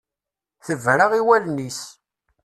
Tebra i wallen-is.